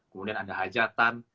kemudian ada hajatan